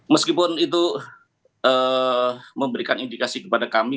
meskipun itu memberikan indikasi kepada kami